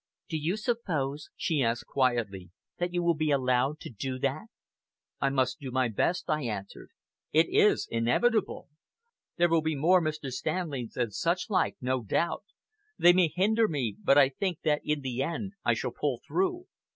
"Do you suppose," she asked quietly, "that you will be allowed to do that?" "I must do my best,"' I answered. "It is inevitable. There will be more Mr. Stanleys and such like, no doubt. They may hinder me, but I think that, in the end, I shall pull through.